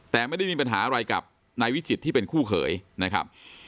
แต่ไม่ได้มีปัญหาอะไรกับนายวิจิตที่เป็นคู่เขยนะครับ